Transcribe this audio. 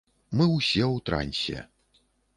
Мы ўсе ў трансе.